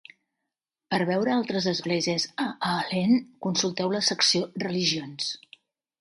Per veure altres esglésies a Aalen, consulteu la secció Religions.